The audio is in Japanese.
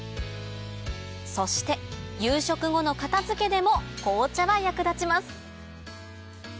そして夕食後の片付けでも紅茶が役立ちます